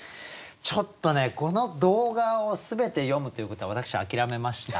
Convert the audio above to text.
ちょっとねこの動画を全て詠むっていうことは私諦めました。